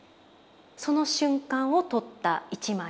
その瞬間を撮った一枚なんです。